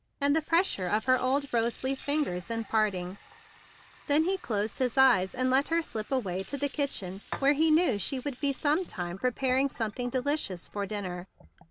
and the pressure of her old rose leaf fingers in parting. Then he closed his eyes, and let her slip away 1 THE BIG BLUE SOLDIER 99 to the kitchen where he knew she would be some time preparing something delicious for his dinner.